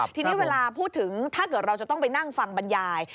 ทีนี้เวลาพูดถึงถ้าเกิดเราจะต้องไปนั่งฟังบรรยาย